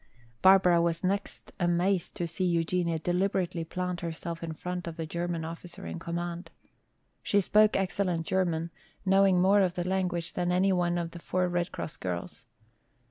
Barbara was next amazed to see Eugenia deliberately plant herself in front of the German officer in command. She spoke excellent German, knowing more of the language than any one of the four Red Cross girls.